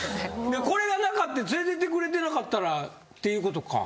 これがなかって連れていってくれてなかったらっていうことか。